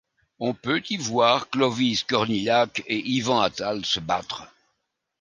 On peut y voir Clovis Cornillac et Yvan Attal se battre.